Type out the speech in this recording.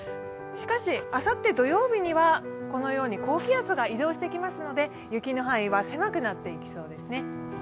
しかし、あさって土曜日には高気圧が移動してきますので雪の範囲は狭くなっていきそうですね。